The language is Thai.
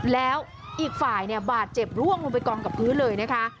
แล้วอีกฝ่ายเนี่ยบาดเจ็บร่วงลงไปกองกับพื้นเลยนะคะ